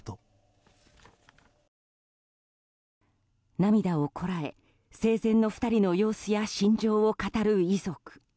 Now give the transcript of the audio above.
涙をこらえ、生前の２人の様子や心情を語る遺族。